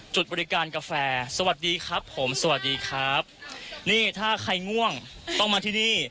จุดบริการกาแฟสวัสดีครับผมสวัสดีครับนี่ถ้าใครง่วงต้องมาที่นี่